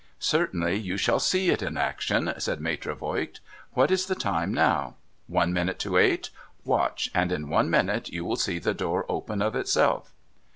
' Certainly you shall see it in action,' said Maitre Voigt. ' ^^^hat is the time now ? One minute to eight. Watch, and in one minute you will see the door open of itself.'